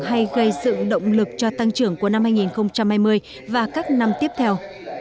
hay gây sự động lực cho tăng trưởng của năm hai nghìn hai mươi và các năm tiếp theo